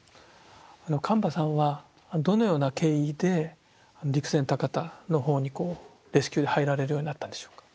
神庭さんはどのような経緯で陸前高田のほうにレスキューで入られるようになったんでしょうか？